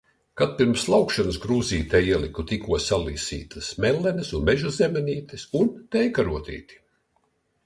Kad pirms slaukšanas, krūzītē ieliku tikko salasītas mellenes un meža zemenītes, un tējkarotīti.